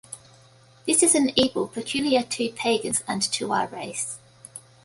This is an evil peculiar to pagans and to our race.